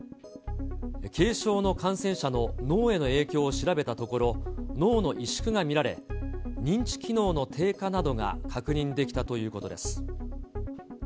軽症の感染者の脳への影響を調べたところ、脳の萎縮が見られ、認知機能の低下などが確認できたということです。